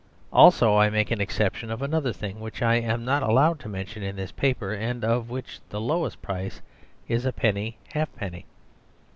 Also I make an exception of another thing, which I am not allowed to mention in this paper, and of which the lowest price is a penny halfpenny.